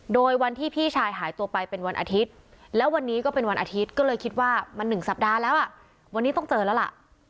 โดยวันที่พี่ชายหายตัวไปเป็นวันอาทิตย์แล้ววันนี้ก็เป็นวันอาทิตย์ก็เลยคิดว่ามัน๑สัปดาห์แล้วอ่ะวันนี้ต้องเจอแล้วล่ะ